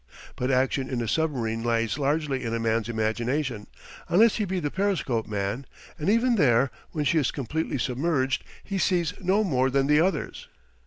But action in a submarine lies largely in a man's imagination, unless he be the periscope man; and even there, when she is completely submerged, he sees no more than the others.